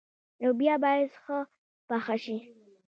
لوبیا باید ښه پخه شي.